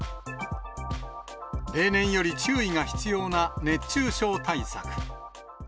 例年より注意が必要な熱中症対策。